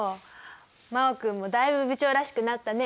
真旺君もだいぶ部長らしくなったね。